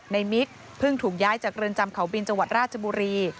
มิกเพิ่งถูกย้ายจากเรือนจำเขาบินจังหวัดราชบุรี